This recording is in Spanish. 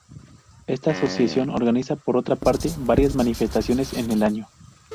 Esta asociación organiza por otra parte varias manifestaciones en el año.